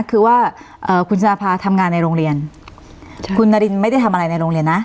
คือว่าคุณชนะพาทำงานในโรงเรียนคุณนารินไม่ได้ทำอะไรในโรงเรียนนะ